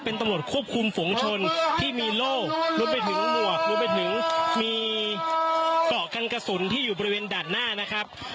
เป็นตำรวจควบคุมฝุงชนที่มีโรครวมไปถึงหมวกรวมไปถึงมีเกาะกันกระสุนที่อยู่บริเวณด่านหน้านะครับ